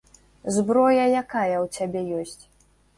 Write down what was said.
Зброя якая ў цябе ёсць?